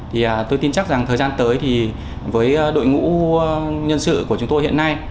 thì tôi tin chắc rằng thời gian tới thì với đội ngũ nhân sự của chúng tôi hiện nay